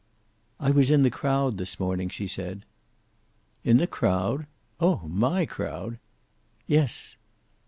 "I was in the crowd this morning," she said. "In the crowd? Oh, my crowd!" "Yes."